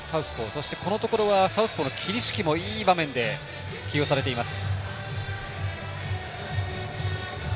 そして、このところはサウスポーの桐敷も、いい場面で起用されています。